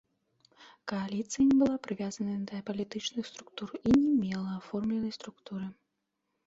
Кааліцыя не была прывязаны да палітычных структур і не мела аформленай структуры.